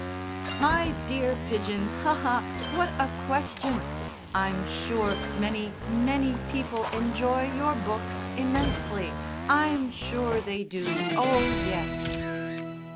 "My dear Pidgen! Ha, ha! What a question! I'm sure many, many people enjoy your books immensely. I'm sure they do, oh, yes!"